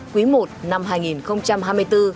quý i năm hai nghìn hai mươi bốn